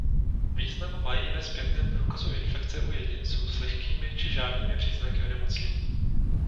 Význam mají ve zpětném průkazu infekce u jedinců s lehkými či žádnými příznaky onemocnění.